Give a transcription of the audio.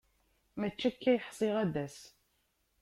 Mačči akka ay ḥṣiɣ ad d-tas.